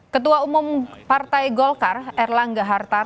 ketua umum partai golkar erlangga hartarto